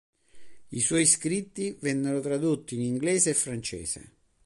I suoi scritti vennero tradotti in inglese e francese.